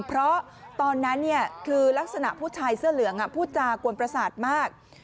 เพราะตอนนั้นคือลักษณะผู้ชายเสื้อเหลืองพูดจากวนประสาทมาก